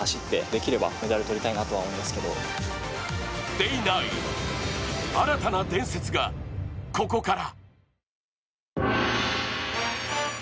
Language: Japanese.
Ｄａｙ９、新たな伝説がここから。